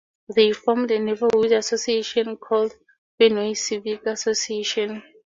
They formed a neighborhood association called the Fenway Civic Association.